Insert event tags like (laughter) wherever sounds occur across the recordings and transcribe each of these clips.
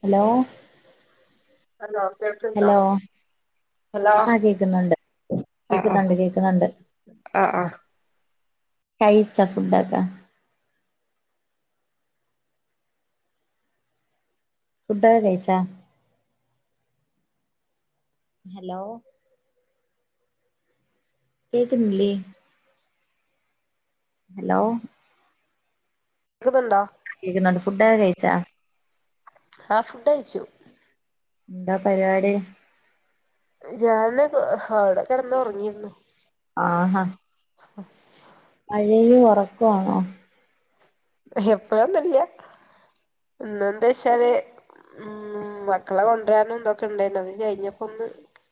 Hello അതയോ കേട്ടിണ്ടോ hello hello ആഹ് കേക്കുന്നുണ്ട് ആഹ് ആഹ് കേക്കുന്നുണ്ട് കേക്കുന്നുണ്ട് ആഹ് ആഹ് കയിച്ച ഫുഡൊക്കെ ഫുഡ്ഡ്കയിച്ചാ ഹലോ കേക്ക്ന്നില്ലേ ഹലോ ക്ക്ന്നുണ്ടോ കേക്ക്ന്നുണ്ട് ഫുഡ്ഡ്കെകയിച്ച ആഹ് ഫുഡ് കയിച്ചു എന്താ പരിവാടി ഞനിപ്പ് അവിടെ കിടന്നു ഉറങ്ങിരുന്നു ആ ഹ (unintelligible) (unintelligible) ഉറക്ക ആണോ എപ്പഴൊന്നു ഇല്ല്യാ ഇന്ന്ന്നെന്താ വെച്ചാല് ഉം മക്കളെ കൊണ്ടുവരാനും എന്തൊക്കെ ഇണ്ടായിരുന്നു അത് കഴയിഞ്ഞപ്പോ ഒന്ന്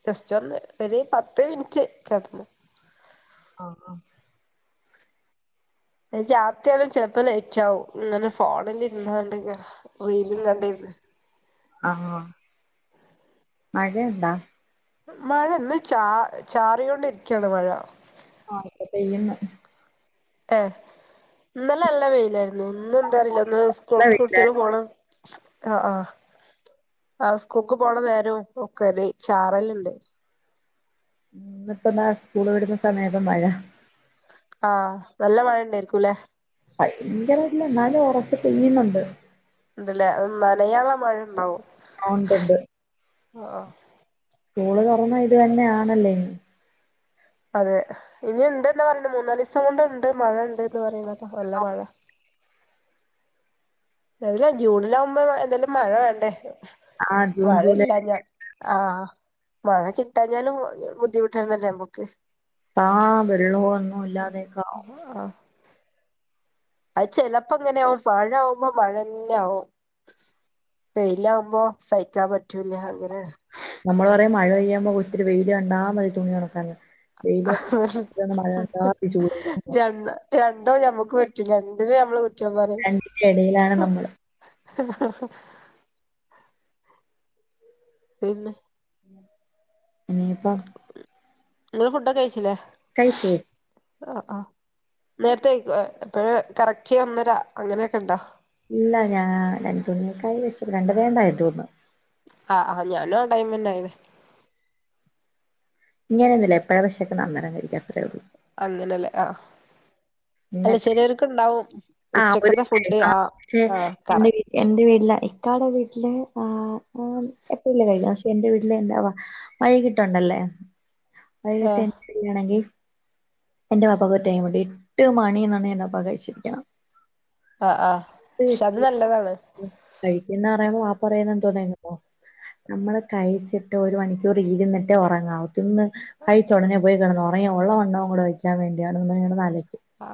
ജസ്റ്റ് ഒന്ന് ഒരു പത്ത് മിനിറ്റ് കെടന്നു ആഹ് ആഹ് എനിക്ക് രാത്രിയാലും ചെലിപ്പ ലൈച്ചാവും ഇങ്ങനെ ഫോണിൽ ഇരുന്നോണ്ട് റീയിലും കണ്ടോണ്ട് ആഹ് മഴ ഒണ്ടാ മഴ ഇന്ന് ചാ ചാറിയോണ്ടിരിക്കിയാണ് മഴ ആ ഇപ്പ പെയ്യ്ന്ന് ഏ ഇന്നലെ നല്ല വെയിലായി നൊന്നും എന്താ അറിയില്ല ഒന്ന് സ്കൂൾ നല്ല കുട്ടിയെൾ വെയിലായിരുന്നു പോണ് ആ ആ ആ സ്കൂൾക്ക് പോണ നേരോം ഒക്കെ അതെ ചാറൽ ഇണ്ട് ന്ന് ഇപ്പ താ സ്കൂൾ വിടുന്ന സമയപ്പം മഴ ആ നല്ല മഴ ഇണ്ടായിരിക്കും ലെ ഭയങ്കരയില്ല ഇന്നാലും ഒറ ച്ച് പെയ്യ്ന്നുണ്ട് ഉണ്ട്ലെ അഹ് നനയാള്ള മഴ ഇണ്ടാവും ആ ഉണ്ട് ഉണ്ട് സ്കൂൾ തൊറന്ന ഇത് തന്നെയാണല്ലോ ഇനി അതെ ഇനി ഉണ്ട്ന്ന് പറിയിണ് മൂന്നാലിസം കൊണ്ട് ഇണ്ട് മഴ ഇണ്ട് ഇന്ന് പറിണ ചാറല്ല മഴ നേരാ ജൂണിലാവുമ്പോ എന്താലും മഴ വേണ്ടേ ആഹ് ജൂൺ ജൂലൈ മഴയില്ലാഞ്ഞാ ആ മഴ കിട്ടാഞ്ഞാലും ബുദ്ധിമുട്ടാണല്ലോ ഞമ്മക്ക് ആഹ് വെള്ളോ ഒന്നും ഇല്ലാതെയൊക്കെ ഉം ആ അത് ചെലപ്പോ ഇങ്ങനെയാവും മഴാകുമ്പോ മഴന്നെ ആവും വെയിലാകുമ്പോ സഹികാൻ പറ്റൂല്ലാ അങ്ങനെ നമ്മൾ പറയും മഴ പെയ്യാൻ പോവുമ്പോ ഇത്തിരി വെയിൽ കണ്ടാ മതി തുണി ഒണക്കാൻ മതി ചൂട് രണ്ട രണ്ടോ ഞമ്മക്ക് വേ പിന്നെ എന്തിൽ നമ്മൾ രണ്ടിന്റെ എടയിലാണ് നമ്മള് പിന്നെ ഇനിയിപ്പം നിങ്ങൾ ഫുഡൊക്ക കഴിച്ചിലെ കഴിച്ച് കഴിച്ച് ആഹ് ആഹ് നേരത്തെ കഴിക്കോ എപ്പഴ്‌ കറക്റ്റ് ഒന്നര അങ്ങനെയൊക്കെ ഇണ്ടോ ഇല്ല ഞാൻ രണ്ടു മണിയൊക്കെ ആയി വെശപ്പ് രണ്ടര യല്ലേ ആയിട്ടുള്ളു ആഹ് ആഹ് ഞാനും ആ ടൈമെ ആയിന് ഇങ്ങനെയൊന്നുല്ല എപ്പോഴാ വെശക്കണേ അന്നരം കഴിക്കും അത്രേ ഒള്ളൂ അങ്ങനെലെ ആഹ് പിന്നെ അല്ല ചെലലോൽക് ഇണ്ടാവും ആ ഒരു (unintelligible) കറ എന്റെ എന്റെ പേരിൽ ഇക്കാടെ വീട്ടിൽ ആഹ് (unintelligible) പക്ഷെ എന്റെ വീട്ടിൽ എന്താ വ വൈഴികിട്ടോണ്ടല്ലേ വൈകീട്ട് ആഹ് (unintelligible) ഫ്രീ ആണെങ്കി എന്റെ പപ്പാക്ക് ഒര് ടൈം ഇണ്ട് എട്ട് മണി എന്നാണ് അപ്പം കഴിച്ചിരിക്കണം. ആഹ് ആഹ് ക്ഷെ അത് നല്ലതാണ്. (unintelligible) (unintelligible) നമ്മള് കഴിച്ചിട്ട് ഒരു മണിക്കൂർ ഇരുന്നിട്ട് ഉറങ്ങാവ തിന്ന് കഴിച്ചോടനെ പോയി കെടന്നോ ങ്ങിയ ഒള്ള വണ്ണോകൂടെ വെ ക്കാൻ വേണ്ടിയ (unintelligible) ആ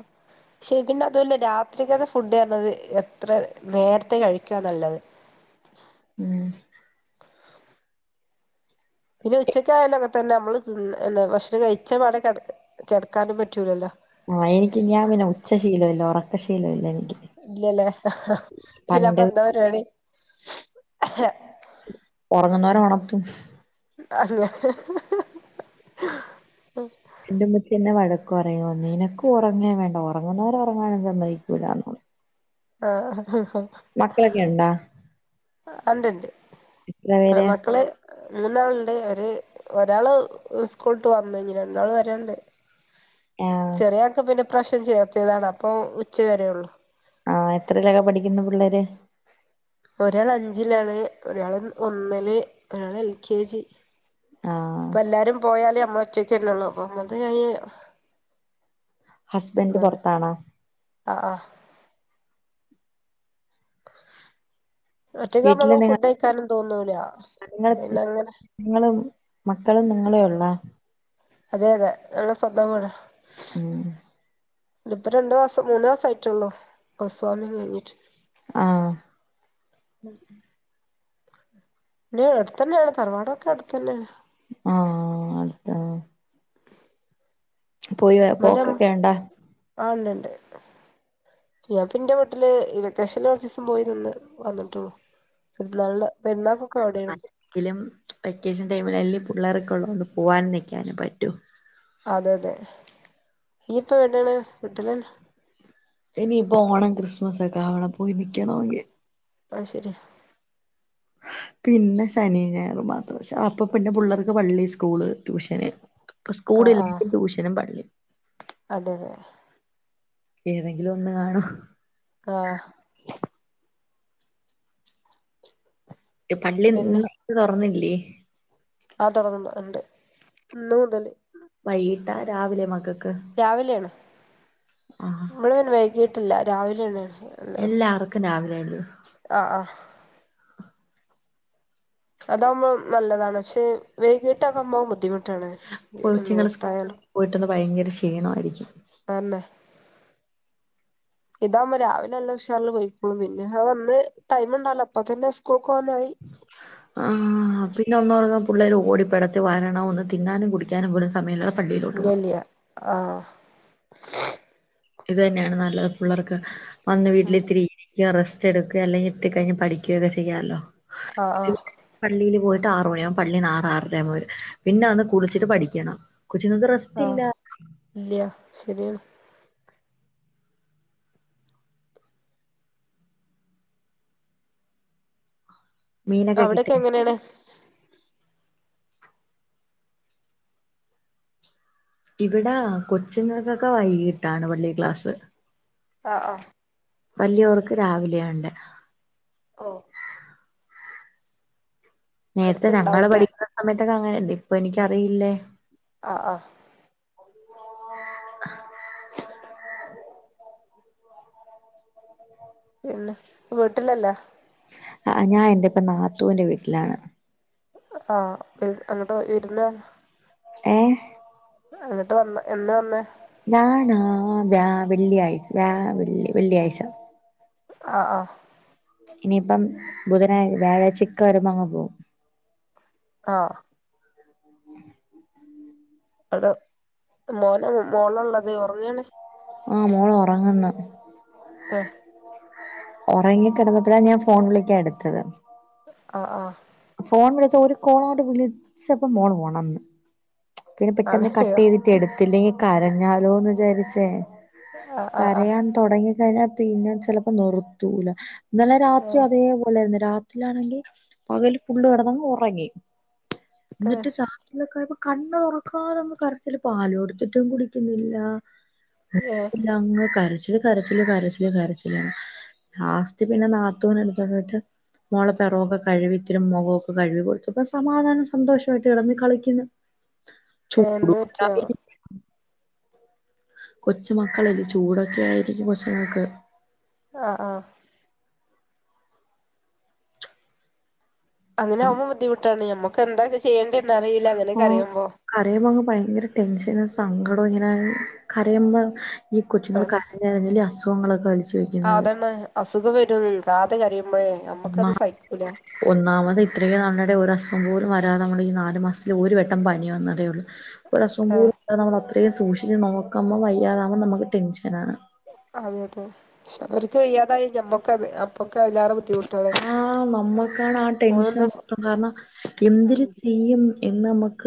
ശപിന്നെ അതും അല്ല രാത്രിക്കത്തെ ഫുഡ് എന്നത് എത്ര നേരത്തെ കഴിക്കുവ നല്ലത് ഉം പിന്നെ ഉച്ചക്ക് ആയാലങ്ങ തന്നെ നമ്മള് ഭക്ഷണം കഴിച്ച പാടെ കേട കെടക്കാനും പറ്റൂലല്ലോ ആഹ് എനിക്ക് ഞാൻ പിന്നെ ഉച്ചശീലല്ല ഒറക്കശീലല്ല എനിക്ക് ഇല്ലല്ലേ പണ്ട് പിന്നപ്പ എന്താ പരിപാടി? (unintelligible) ഉറങ്ങുന്നവരെ ഉണത്തും അന്ങ്ങനെ എന്റെറ മുത്ത് ന്നേ വഴക്ക് പറയും നിനക്ക് ഉറങ്ങേ വേണ്ട ഉറങ്ങുന്നവരെ ഉറങ്ങാനും സമ്മയിക്കൂലന്നോ ആഹ ഉണ്ടാ ആ ഉണ്ട്ണ്ട് എത്ര പേര് മക്കള് മൂന്നാളുണ്ട് അവ ഒരാള് സ്കൂള്ട്ട് വന്നു ഇനി രണ്ടാള് വരണ്ട് ആ ചെറിയാക്ക് പിന്നെ ഇപ്രാവശ്യം ചേർത്തിയതാണ് അപ്പൊ ഉച്ച വരേ ഉള്ളൂ ആഹ എത്രീലൊക്കെ പഠിക്കുന്നു പിള്ളേര്? ഒരാൾ അഞ്ചിലാണ് ഒരാള് ഒന്നില് ഒരാള് എൽ കെ ജി ആ ഇപ്പ എല്ലാരും പോയാല ഒറ്റക്കല്ലള്ളോ (unintelligible) ഹസ്ബന്റ് പൊറത്താണോ? ആ ആ ഒറ്റക്കാവുമ്പോ വീട്ടില് നമുക്ക് നിങ്ങ ഫുഡ് കഴിക്കാനും തോന്നൂല നിങ്ങ പിന്നെ അങ്ങനെ നിങ്ങളും മക്കളും നിങ്ങളേ ഉള്ളേ? അതെ അതെ നങ്ങളെ സ്വന്തം വീടാ ഉഹ ഇപ്പ രണ്ടു മാസം മൂന്നു മാസം ആയിട്ടുള്ളൂ ഹൗസ് വാമിങ് കഴിഞ്ഞിട്ട് ആഹ ഉം ഉ ൻ അടുത്ത് തന്നെയാണ് തറവാടൊക്കെ അടുത്തുതന്നെയാണ് ആ അ പോയി പോക്കൊക്കെ ഉണ്ട ആ ഉണ്ട് ഉണ്ട് ഞാൻ ഇപ്പ എന്റെ വീട്ടിൽ ഈ വെക്കേഷനിൽ കുറച്ച് ദിവസം പോയി നിന്ന് വന്നിടുള്ളൂ പിറന്നാൾ അങ്കിലും വെക്കേഷൻ ടൈമിൽ അല്ലേ പിള്ളേർ കൊണ്ട് പോകൻ നിൽക്കാന പറ്റോ അതെ അതെ ഈയിപ്പ വേട്ടാണ് വിട്ടുന്നന്ന ഇനിയിപ്പോ ഓണം ക്രിസ്മസ്സ ഒക്കെ അവണ പോയി നക്കണെങ്കി പ ശരി പിന്നെ ശനി ഞായർ മാത്രം അപ്പൊ പിന്നെ പിള്ളേർക്ക് പള്ളി സ്കൂള് ട്യൂഷന് സ്കൂള ആ ആ ഇില്ലെങ്കും ട്യൂഷനും പള്ളി അതെ തെ ഏതെങ്കിലും ഒന്ന് കാണോ ആഹ് എ പള്ളി പിന്നെ ന്ന് തൊറന്നില്ലെ (unintelligible) ആ തൊടങ്ങുന്നു ണ്ട് ഇന്ന് മുതല് വൈകിട്ടാ രാവിലെയൊ മകക്ക് രാവിലെ ആണ് ആഹ് മ്മള് പിന്നെ വൈകീ ട്ടില്ല രാവിലെള്ള് എല്ലാവർക്കും രാവിലെണ് മ് (inaudible) ആ ആഹ് അതാവുമ്പോ നല്ലതാണ് ക്ഷെ വൈകിട്ടക്മ്പോ ബുദ്ധിമുട്ടാണ് കൊച്ചുങ്ങള് നേത്തായാലും പോയിട്ടന്ന് ഭയങ്കര ക്ഷീണമായിരിക്കും ഇതാവുമ്പോ രാവിലെ നല്ല ഉഷാർൽ പോയിക്കോളും പിന്നെ ഹ വന്ന് ടൈംണ്ടല്ലോ പ്പ തന്നെ സ്കൂൾക്ക് പോവാനായി ആഹ് പിന്നെ ഒന്ന് (unintelligible) ള്ളേര് ഓടിപ്പിടച്ച് വരണം ഒന്ന് തിന്നാനും കുടിക്കാനും പോലും സമയമില്ല ല്ല്യ ല്ല്യ ആഹ് ഇത് തന്നെയാണ് നല്ലത് പിള്ളേർക്ക് വന്ന് ഉം വീട്ടിലെത്തിരി ത്ത്യാ റെസ്റ്റ്ടുക്ക അല്ലങ്കിൽ ഇട്ട് കൈഞ് പഠിക്കയൊക്കെ ചെയ്യാലോ ആഹ് ആ ആറു മണിയാവും പള്ളിന്ന് ആറ് ആറെര ആകുമ്പോ വരും പിന്നെ അന്ന് കുളിച്ചിട്ട് പഠിക്കണം. കൊച്ചുങ്ങൾക്ക് റെസ്റ്റ് ആഹ് ഇല്ല ഇല്ല്യ ശരിയാണ് മീനൊക്കെ കിട്ടി അവിടൊക്കെ എങ്ങനെണ് ഇവിടെ കൊച്ചുങ്ങൾക്കൊക്കെ വൈകിട്ടാണ് പള്ളി ക്ലാസ് ആഹ ആഹ വല്ലിയോർക്ക് രാവിലയുണ്ട് ഓ നേരത്തെ ഞങ്ങള് അടുത്തുണ്ടാവൂലേ പഠിക്കുന്ന സമയത്ത്- പൊന്നങ്ങനല്ല (unintelligible) ഇപ്പൊ എനിക്കറിയില്ലേ ആ ആ ആഹ്‌ പിന്നെ ഇപ്പവീട്ടിലല്ലാ ആ ഞാൻ എന്റെ ഇപ്പ നാത്തുന്റെ വീട്ടിലാണ് ആഹ അങ്ങോട്ട് വരുവോ ഇല്ലല്ലോ ഏ എന്നിട്ട് എന്ന് വന്ന് ഞാൻ രാവിലെ വെള്ളിയാഴ്ച ആഹ ആഹ. ഇനിയിപ്പം ബുധനാ വ്യാഴാഴ്ചക്ക് വരുമ്പോ അങ്ങങ് പോകവും ആഹ അത് മോനും മോളും ഒള്ളത് ഉറങ്ങണ് ആഹ മോള് ഉറങ്ങുന്നു ആഹ് ഉറങ്ങി കിടന്നപ്പോഴാ ഞാൻ ഫോൺ വിളിക്കാൻ എടുത്തത് ആ ആ ഫോൺ വിളിച്ച ഒരു കോൾ വിളിച്ചപ്പോൾമോൾ ഉണർന്നു പിന്നെ പെട്ടെന്ന് കട്ട് അതെയോ ചെയ്തിട്ട് എടുത്ത്ല്ലെങ്കിൽ കരഞ്ഞാലോന്ന് വിചാരിച്ചേ ആഹ് ആഹ് ആഹ് കരയാൻ തൊടങ്ങി കഴിഞ്ഞാൽ പിന്നെ ചെലപ്പോ നിർത്തൂല ഇന്നലെ രാത്രിയും അതീപോലെതന്നെ രാത്രിലാണെങ്കിൽ പകല് ഫുള്ള് കെടന്നങ്ങ് ഒറങ്ങി ഓക്കെ എന്നിട്ട് കാട്ടിലൊക്ക കണ്ണ് തുറക്കാതങ്ങ് കരച്ചിൽ പാലു കൊടുത്തിട്ടും കുടിക്കുന്നില്ല ഏഹ് പിന്നെ അങ്ങ് കരച്ചിൽ കരച്ചിൽ കരച്ചിൽ കരച്ചിൽ കരച്ചിൽ ലാസ്റ്റ് പിന്നെ നാത്തൂൻ മുഖമൊക്കെ കഴുകി കൊടുത്തപ്പോൾ സമാധാന സന്ദോഷം ആയിട്ട് കളിക്കുന്നു എന്ത് പറ്റി ആവോ കൊച്ച മക്കളല്ല ചൂടൊക്കെ ആയിരിക്കും കൊച്ചുങ്ങൾക് (unintelligible) ആഹ ആഹ അങ്ങനെ ആവുമ്പ ബുദ്ധിമുട്ടാണ് ഞമ്മക്ക് എന്താ ഇത് ചെയ്യണ്ടേ ഓ കരയുമ്പ അങ്ങ് ഭയങ്കര ടെൻഷൻ സങ്കടം ഇങ്ങനെ കരയുമ്പ ഈ കൊച്ചുങ്ങൾ കരയുമ്പോൾ (unintelligible) ആ അത് തന്നെ അസുഖം വരും ദാന്ന് കരയും ഒന്ന ഒന്നാമത് ഇത്രയും നാളടെ ഒരസവം പോല വരാതെ നമ്മൾ നാല് മാസത്തിൽ ഒരു വട്ടം പനി വന്നേതെ ഉള്ളൂ ആഹ് (unintelligible) സൂക്ഷിക്കണം നമ്മക് നമ്മ വയ്യാതെ ആവുംബ നമക്ക് ടെൻഷൻ അതെ അതെ അവർക്ക് വയ്യാതായി ഞമ്മക്ക അത് അപ്പൊ ആ നമ്മൾക്കാണ് ആ ടെൻഷൻ ഓളൊന്ന് മൊത്തം കാരണം എന്തില് ചെയ്യും ഇന്നമ്മക്ക്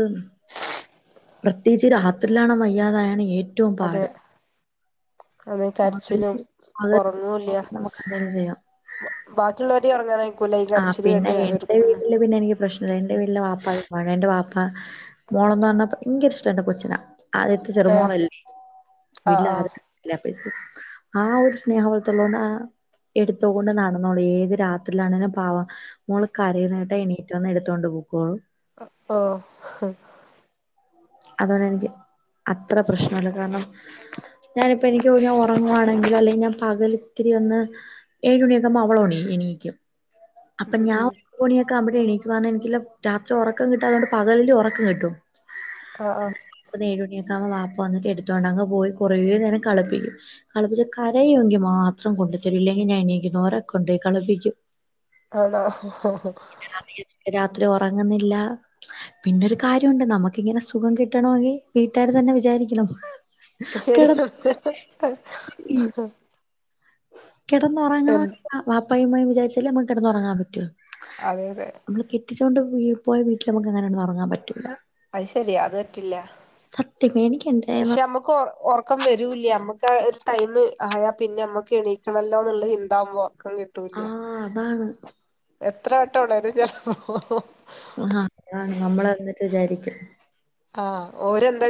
പ്രത്യേകിച്ച് രാത്രിലാണ് വയ്യാതായാണ് ഏറ്റ റ്റവും അതെ പാട് അതെ പകല് കരച്ചിലും പകൽ ഒറങ്ങുല്യ നമുക്ക് എന്തെങ്കിലും ചെയ്യാം ബാക്കിയുള്ളോരെ കുട്ടി ഒറങ്ങാറായി ആ പിന്നെ എന്റെ വീട്ടില് പിന്നെ എനിക്ക് പ്രശ്നെന്നു (unintelligible) (unintelligible) വാപ (unintelligible) എന്റെ വാപ്പ ആ മോളെന്ന് പറഞ്ഞ ഭയങ്കര ഇഷ്ടാ എന്റെ കൊച്ചിനെ ആദ്യത്തെ ഏ ചെറുമോളല്ലേ ആ വീട്ടിലെ ആ ആദ്യത്തെ (unintelligible) ആ ഒരു സ്നേഹം അവൾത്തുള്ളോണ്ട് എടുത്തൊണ്ട് നടന്നോളും ഏത് രാത്രിയിലാണേലും പാവം മോള് കരയ്ണേട്ടാ എണീറ്റ് വന്ന് എട് ത്തോണ്ട് പൊക്കോളും ഒ ഓ ഹ് അതോണ്ട് എനിക്ക് അത്ര പ്രശ്നല്ല. കാരണം ഞാനിപ്പോ എനിക്ക് പിന്നെ ഒറങ്ങുവാണെങ്കിലും അല്ലെങ്കിൽ ഞാൻ പകലിത്തിരി ഒന്ന് ഏഴ് മണിയൊക്കാകുമ്പോ അവളോ എണീക്കും അപ്പൊ ഉം ഞാൻ ഉം (unintelligible) ക്കാമ്പം ഞാ എണീക്കും. കാരണം എനിക്കില്ലെ രാത്രി ഒറക്കം കിട്ടാത്തോണ്ട് പകൽല് ഒറക്കം കിട്ടും ആ ആ ഇപ്പൊന്ന് എഴ് മണിയാ ക്കാവുമ്പം വാപ്പ വന്ന് എടുത്തോണ്ടങ്ങ് പോയി കുറേ നേരം കളപ്പിക്കും. കളിപ്പിച്ച് കരയൊങ്കി മാത്രം കൊണ്ട് തരും. ഇല്ലെങ്കിൽ ഞാൻ എണീക്ക്ണോരെ കൊണ്ടോയി കളിപ്പിക്കും ആണോ രാത്രി ഒറങ്ങ്ന്നില്ല അപിന്നൊരു കാര്യൊണ്ട് നമുക്കിങ്ങനെ സു സുഖം കിട്ടണമെങ്കി വീട്ടുകാര് തന്നെ വിചാരിക്കണം ശരിയാ കിടന്ന് കിടന്നൊറങ്ങണെങ്കി വാ പ്പായും ഉമ്മായും വിചാരിച്ചാല്ലേ നമുക്ക് കെടന്നൊറങ്ങാൻ പറ്റൂ അതെ അതെ നമ്മള് കെട്ടിച്ചോണ്ട് പോയൊ പോയ വീട്ടില് നമുക്കങ്ങനെ കെടന്നുറങ്ങാൻ പറ്റൂല അത് ശെരിയാ അത് പറ്റില്ല സത്യം എനിക്ക് എന്റെ പക്ഷെ നമ്മക്ക് ഒറ ഒറക്കം വരൂല്ല അമ്മ് ക്ക് ഒരു ടൈം ആയാ പിന്നെ നമ്മക്ക് എണീക്കണല്ലോ എന്നിള്ള ചിന്താവുമ്പോ ഉറക്കം കിട്ടൂല്ല ആഹ് അതാണ് എത്ര വട്ടം ഒണരും ആ അതാണ് നമ്മള് എന്നിട്ട് വിചാരിക്കും ആഹ് ഓരെന്താ